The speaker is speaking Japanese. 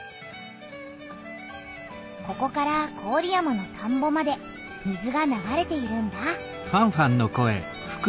ここから郡山の田んぼまで水が流れているんだ。